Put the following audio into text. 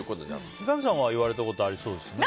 三上さんは言われたことありそうですね。